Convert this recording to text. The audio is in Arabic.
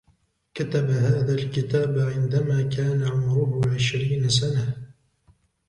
كتب هذا الكتاب عندما كان عمره عشرين سنة.